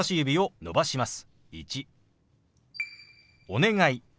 「お願い」。